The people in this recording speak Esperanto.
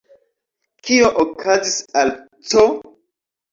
Kio okazis al C!?